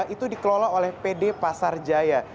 itu dikelola oleh pd pasar jaya